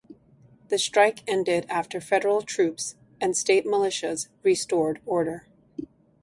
The strike ended after federal troops and state militias restored order.